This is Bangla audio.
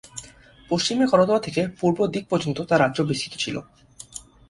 পশ্চিমে করতোয়া থেকে পূর্বে দিক পর্যন্ত তার রাজ্য বিস্তৃত ছিল।